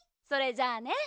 それじゃあね。